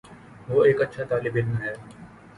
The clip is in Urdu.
وہ ایک اچھا طالب علم ہے